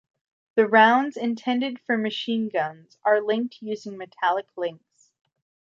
The rounds intended for machine guns are linked using metallic links.